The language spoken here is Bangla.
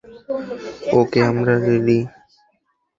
ওকে, আমরা রেডি!